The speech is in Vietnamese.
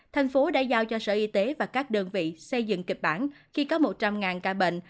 thành phố đã giao cho sở y tế và các đơn vị xây dựng kịch bản khi có một trăm linh ca bệnh